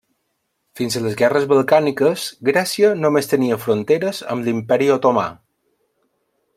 Fins a les guerres balcàniques, Grècia només tenia fronteres amb l'Imperi otomà.